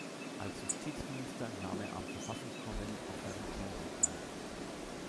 Als Justizminister nahm er am Verfassungskonvent auf Herrenchiemsee teil.